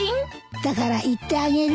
だから言ってあげる。